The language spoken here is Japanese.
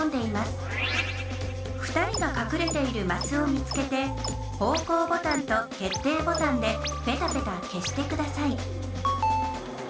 ２人がかくれているマスを見つけてほうこうボタンと決定ボタンでペタペタけしてください。